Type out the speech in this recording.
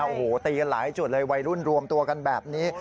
โอ้โหตีกันหลายจุดเลยวัยรุ่นรวมตัวกันแบบนี้